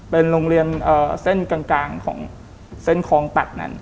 เป็นโรงเรียนเส้นกลางของเส้นคลองตัดนั้น